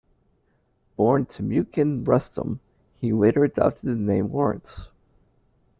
Born Timucin Rustem, he later adopted the name Lawrence.